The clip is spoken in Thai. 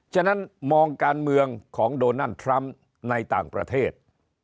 ฉะนั้นมองการเมืองของโดนัลดทรัมป์ในต่างประเทศ